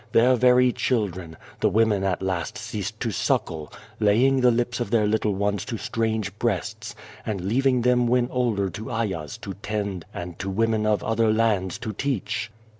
Their very children, the women at last ceased to suckle, laying the lips of their little ones to strange breasts, and leaving them when older to Ayahs to tend and to women of other lands to teach.